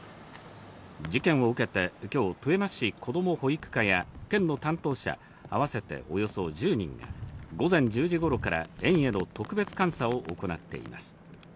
事件を受けて今日、富山市こども保育課や県の担当者、合わせておよそ１０人が午前１０時頃から園への特別監査を行っています。